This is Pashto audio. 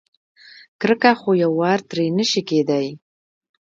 کرکه خو یوار ترې نشي کېدای.